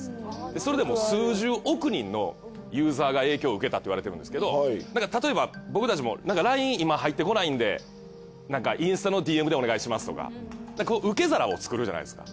それでもう数十億人のユーザーが影響を受けたって言われてるんですけどなんか例えば僕たちもＬＩＮＥ今入ってこないんでなんかインスタのＤＭでお願いしますとか受け皿を作るじゃないですか。